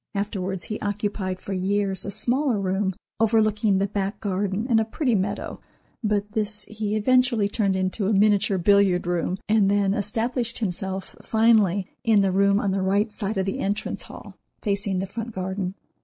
Afterwards he occupied for years a smaller room overlooking the back garden and a pretty meadow, but this he eventually turned into a miniature billiard room, and then established himself, finally, in the room on the right side of the entrance hall facing the front garden.